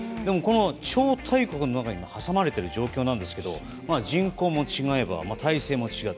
超大国の中に挟まれている状況なんですけど人口も違えば体制も違う。